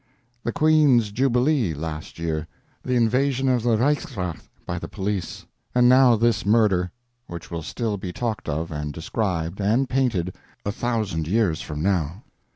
The Queen's Jubilee last year, the invasion of the Reichsrath by the police, and now this murder, which will still be talked of and described and painted a thousand years from now.